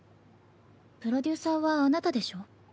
プロデューサーはあなたでしょ？